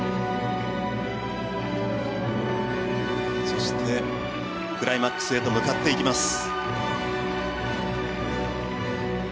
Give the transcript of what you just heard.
そしてクライマックスへと向かっていきます。